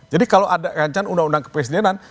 jadi kalau ada rancangan undang undang kepresidenan